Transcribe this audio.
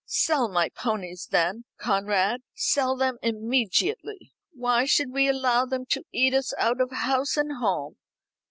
"Sell my ponies, then, Conrad; sell them immediately. Why should we allow them to eat us out of house and home.